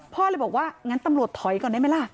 เลยบอกว่างั้นตำรวจถอยก่อนได้ไหมล่ะ